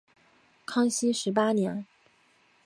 康熙十八年。